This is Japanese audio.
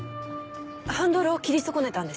ハンドルを切り損ねたんです。